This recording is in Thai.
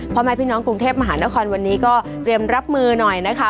พ่อแม่พี่น้องกรุงเทพมหานครวันนี้ก็เตรียมรับมือหน่อยนะคะ